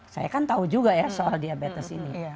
saya kan tahu juga ya soal diabetes ini